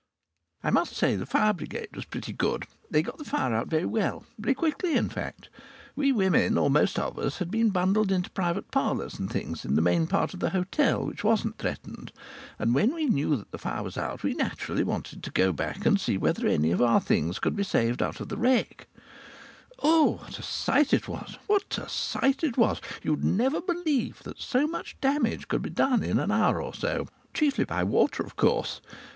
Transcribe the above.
I must say the fire brigade was pretty good. They got the fire out very well very quickly in fact. We women, or most of us, had been bundled into private parlours and things in the main part of the hotel, which wasn't threatened, and when we knew that the fire was out we naturally wanted to go back and see whether any of our things could be saved out of the wreck. Oh! what a sight it was! What a sight it was! You'd never believe that so much damage could be done in an hour or so. Chiefly by water, of course.